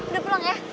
udah pulang ya